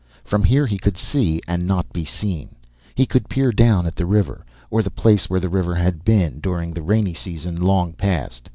From here he could see and not be seen. He could peer down at the river or the place where the river had been, during the rainy season long past.